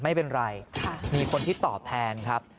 ไม่เป็นไรมีคนที่ตอบแทนครับ